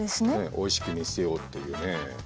おいしく見せようっていうね。